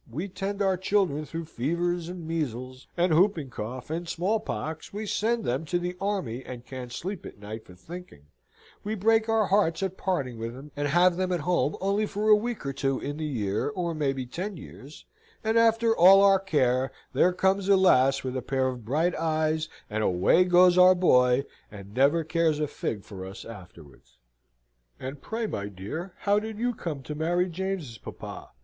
We tend our children through fevers, and measles, and whooping cough, and small pox; we send them to the army and can't sleep at night for thinking; we break our hearts at parting with 'em, and have them at home only for a week or two in the year, or maybe ten years, and, after all our care, there comes a lass with a pair of bright eyes, and away goes our boy, and never cares a fig for us afterwards." "And pray, my dear, how did you come to marry James's papa?"